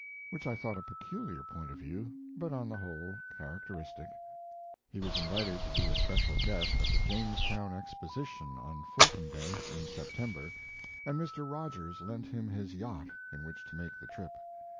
Which I thought a peculiar point of view, but on the whole characteristic. He was invited to be a special guest at the Jamestown Exposition on Fulton Day, in September, and Mr. Rogers lent him his yacht in which to make the trip.